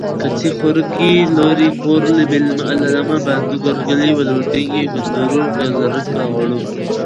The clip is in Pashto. کڅۍ.خوړګۍ.لوی خوړ.بیله.للمه.بانډو.برکلی. ولو تنګی.کنډرو.ګازرک خوړ.